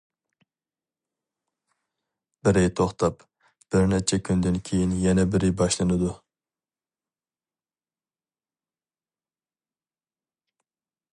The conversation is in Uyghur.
بىرى توختاپ، بىر نەچچە كۈندىن كېيىن يەنە بىرى باشلىنىدۇ.